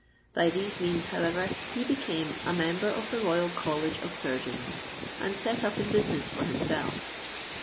By these means, however, he became a Member of the Royal College of Surgeons, and set up in business for himself.